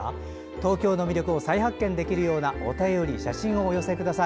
東京の魅力を再発見できるようなお便りや写真をどうぞお寄せください。